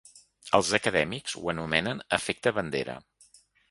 Els acadèmics ho anomenen efecte bandera.